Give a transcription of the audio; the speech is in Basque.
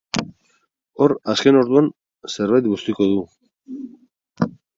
Hor, azken orduan, zerbait bustiko du.